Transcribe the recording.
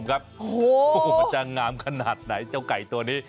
โอ้โหมันจะงามขนาดไหนเจ้าไก่ตัวนี้